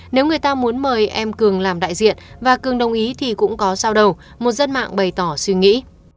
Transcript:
nếu người ta muốn mời em cường làm đại diện và cường đồng ý thì cũng có sao đầu một dân mạng bày tỏ suy nghĩ